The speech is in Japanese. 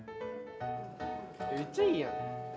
めっちゃいいやん！